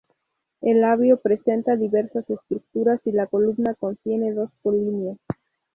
El labio presenta diversas estructuras y la columna contiene dos polinias.